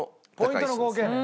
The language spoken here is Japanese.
ポイントの合計ね。